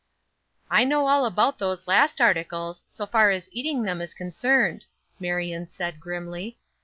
"I know all about those last articles, so far as eating them is concerned," Marion said, grimly.